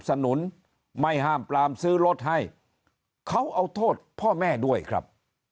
สนุนไม่ห้ามปลามซื้อรถให้เขาเอาโทษพ่อแม่ด้วยครับ